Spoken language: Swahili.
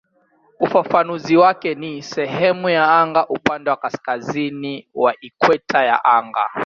Ufafanuzi wake ni "sehemu ya anga upande wa kaskazini wa ikweta ya anga".